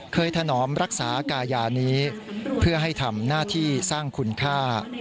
ถนอมรักษากายานี้เพื่อให้ทำหน้าที่สร้างคุณค่า